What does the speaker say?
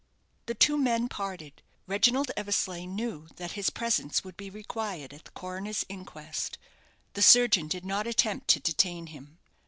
The two men parted. Reginald Eversleigh knew that his presence would be required at the coroner's inquest. The surgeon did not attempt to detain him.